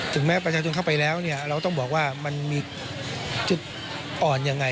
แม้ประชาชนเข้าไปแล้วเนี่ยเราต้องบอกว่ามันมีจุดอ่อนยังไง